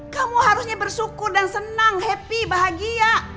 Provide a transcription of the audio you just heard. kamu harusnya bersyukur dan senang happy bahagia